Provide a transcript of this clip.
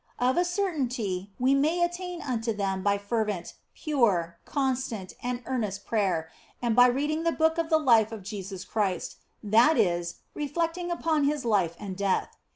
Of a certainty we may attain unto them by fervent, pure, constant, and earnest prayer and by reading the Book of the Life of Jesus Christ, that is, reflecting upon His life and death.